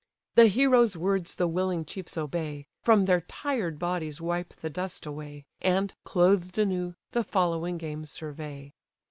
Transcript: The hero's words the willing chiefs obey, From their tired bodies wipe the dust away, And, clothed anew, the following games survey.